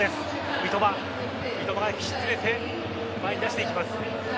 三笘が引き連れて前に出していきます。